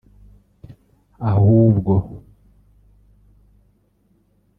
Ahubwo